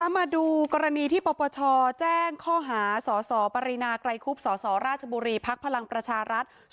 มาดูกรณีที่ปปชแจ้งข้อหาสสปรินาไกรคุบสสราชบุรีภักดิ์พลังประชารัฐ